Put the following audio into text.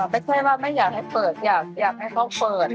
ไม่ใช่ว่าไม่อยากให้เปิดอยากให้เขาเปิด